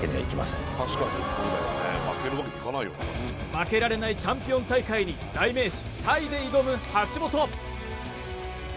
負けられないチャンピオン大会に代名詞・鯛で挑む橋本